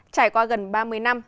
trải qua gần ba mươi năm